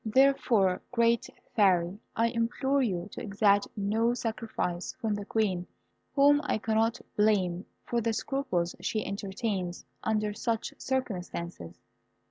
Therefore, great Fairy, I implore you to exact no sacrifice from the Queen, whom I cannot blame for the scruples she entertains under such circumstances."